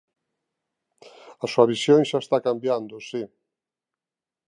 A súa visión xa está cambiando, si.